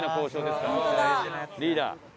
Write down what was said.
リーダー。